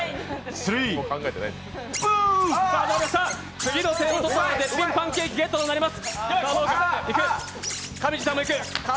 次の点を取った方が絶品パンケーキゲットとなります。